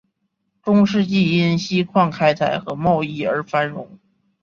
中世纪因锡矿开采和贸易而繁荣。